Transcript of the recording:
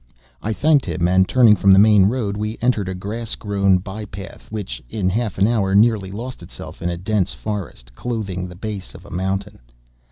I thanked him, and, turning from the main road, we entered a grass grown by path, which, in half an hour, nearly lost itself in a dense forest, clothing the base of a mountain.